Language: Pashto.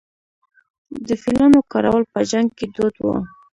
د فیلانو کارول په جنګ کې دود و